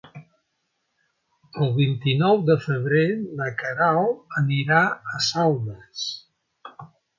El vint-i-nou de febrer na Queralt anirà a Saldes.